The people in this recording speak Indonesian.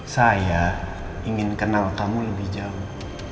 saya ingin kenal kamu lebih jauh